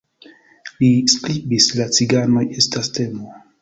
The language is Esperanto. Li skribis "La ciganoj estas temo.